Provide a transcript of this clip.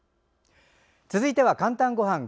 続いては「かんたんごはん」。